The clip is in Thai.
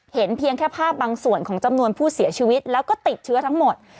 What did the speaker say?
เพียงแค่ภาพบางส่วนของจำนวนผู้เสียชีวิตแล้วก็ติดเชื้อทั้งหมด